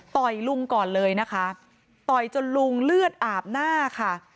ลุงก่อนเลยนะคะต่อยจนลุงเลือดอาบหน้าค่ะ